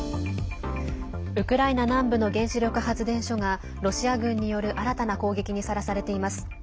ウクライナ南部の原子力発電所がロシア軍による新たな攻撃にさらされています。